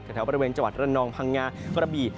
จากแถวบริเวณจัวร์รันนองพังงาประบี